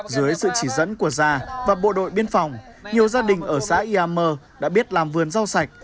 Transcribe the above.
dưới sự chỉ dẫn của gia và bộ đội biên phòng nhiều gia đình ở xã ia mơ đã biết làm vườn rau sạch